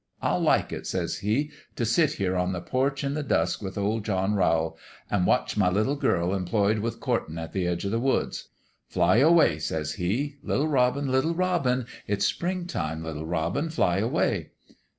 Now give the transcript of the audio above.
I'll like it,' says he, ' t' sit here on the porch, in the dusk with oP John Rowl, an' watch my little girl employed with courtin' at the edge o' the woods. Fly away !' says he. ' Little robin ! Little robin 1 It's spring time ! Little robin, fly away